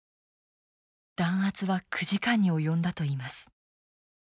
弾圧は９時間に及んだといいます。